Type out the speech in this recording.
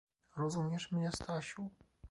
"Rozumiesz mnie, Stasiu?..."